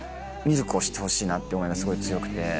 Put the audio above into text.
ＬＫを知ってほしいなって思いがすごい強くて。